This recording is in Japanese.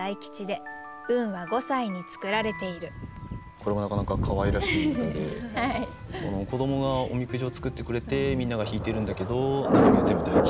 これもなかなかかわいらしい歌で子どもがおみくじを作ってくれてみんなが引いてるんだけど中身は全部大吉。